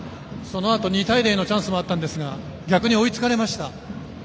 ２対０のチャンスもあったんですが逆に追いつかれました。